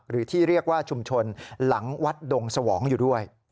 หรือที่เรียกว่าชุมชนหลังวัดดงสวองอยู่ด้วย